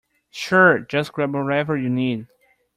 Sure, just grab whatever you need.